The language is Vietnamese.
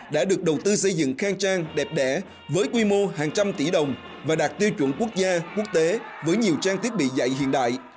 đã được đầu tư xây dựng khang trang đẹp đẻ với quy mô hàng trăm tỷ đồng và đạt tiêu chuẩn quốc gia quốc tế với nhiều trang thiết bị dạy hiện đại